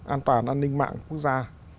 an toàn an ninh mạng quốc gia